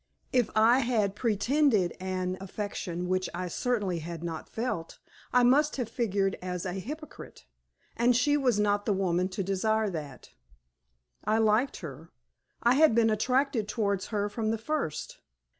If I had pretended an affection which I certainly had not felt, I must have figured as a hypocrite and she was not the woman to desire that. I liked her. I had been attracted towards her from the first.